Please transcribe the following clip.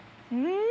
うん！